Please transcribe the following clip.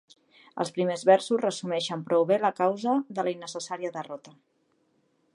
Els primers versos resumeixen prou bé la causa de la innecessària derrota.